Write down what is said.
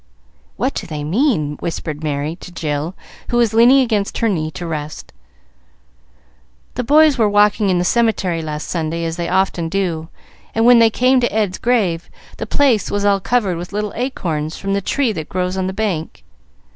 "What do they mean?" whispered Merry to Jill, who was leaning against her knee to rest. "The boys were walking in the Cemetery last Sunday, as they often do, and when they came to Ed's grave, the place was all covered with little acorns from the tree that grows on the bank.